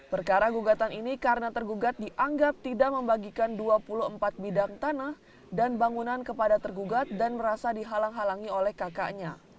perkara gugatan ini karena tergugat dianggap tidak membagikan dua puluh empat bidang tanah dan bangunan kepada tergugat dan merasa dihalang halangi oleh kakaknya